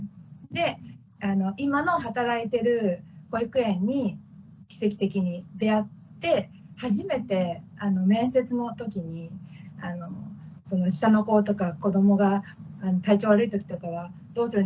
で今の働いてる保育園に奇跡的に出会って初めて面接のときに下の子とか子どもが体調悪いときとかはどうするんですか？